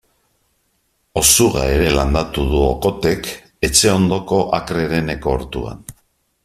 Osuga ere landatu du Okothek etxe ondoko akre hereneko ortuan.